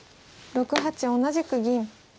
６八同じく銀。